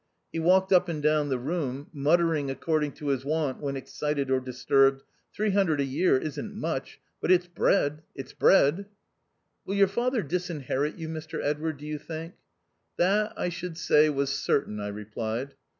He walked up and down the room, mut tering according to his wont, when excited or disturbed. " Three hundred a year isn't much — but it's bread — it's bread. Will your father disinherit you, Mr Edward, do you think ?"" That, I should say, was certain," I re plied.